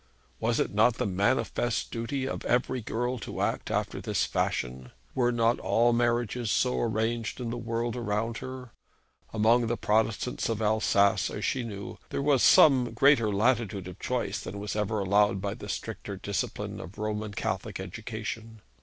Was it not the manifest duty of every girl to act after this fashion? Were not all marriages so arranged in the world around her? Among the Protestants of Alsace, as she knew, there was some greater latitude of choice than was ever allowed by the stricter discipline of Roman Catholic education.